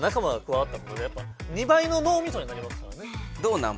どうなん？